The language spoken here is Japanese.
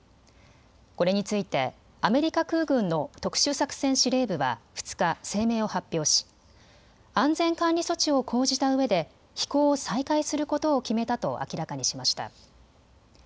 これについてアメリカ空軍の特殊作戦司令部は２日、声明を発表し、安全管理措置を講じたうえで飛行を再開することを決めたと明らかにしました。